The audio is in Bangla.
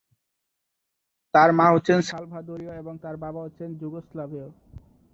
তাঁর মা হচ্ছেন সালভাদোরীয় এবং তাঁর বাবা হচ্ছেন যুগোস্লাভীয়।